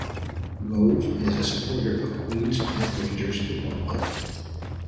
Gove is a supporter of Queens Park Rangers Football Club.